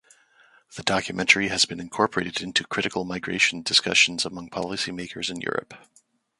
The documentary has been incorporated into critical migration discussions among policymakers in Europe.